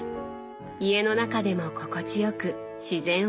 家の中でも心地よく自然を感じたい。